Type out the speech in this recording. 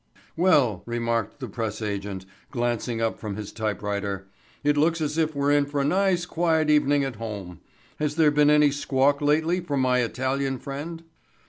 "Well," remarked the press agent, glancing up from his typewriter, "it looks as if we were in for a nice quiet evening at home. Has there been any squawk lately from my Italian friend?"